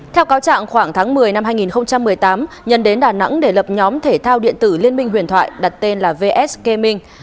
theo cáo trạng khoảng tháng một mươi năm hai nghìn một mươi tám nhân đến đà nẵng để lập nhóm thể thao điện tử liên minh huyền thoại đặt tên là vsk minh